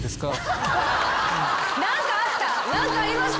何かあった？